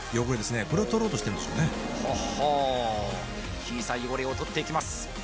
小さい汚れを取っていきます